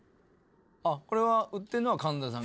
あこれは打ってるのは神田さんが。